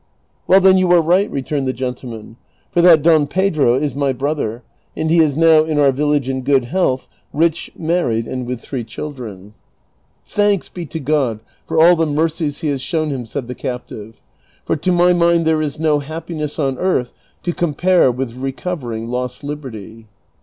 Well then, you are right," returned the gentleman, " for that Don Pedro is my brother, and he is now in our village in good health, rich, married, and with three children.'' "Thanks be to God for all the mercies he has shown him," said the captive ;" for to my mind there is no happiness on earth to compare with recovering lost liberty."